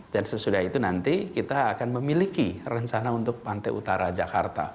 dan sesudah itu nanti kita akan memiliki rencana untuk pantai utara jakarta